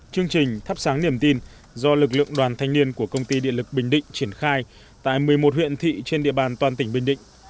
chương trình thắp sáng niềm tin do lực lượng đoàn thanh niên của công ty điện lực bình định triển khai tại một mươi một huyện thị trên địa bàn toàn tỉnh bình định